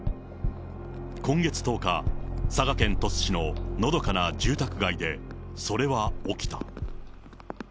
今月１０日、佐賀県鳥栖市ののどかな住宅街で、それは起きた。